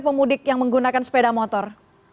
pemudik yang menggunakan sepeda motor